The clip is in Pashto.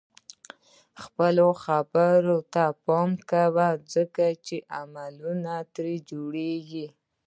خپلو خبرو ته پام کوه ځکه چې عملونه ترې جوړيږي.